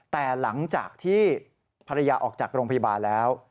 แต่หลังจากที่ภรรยาออกจากโรงพยาบาลแล้ว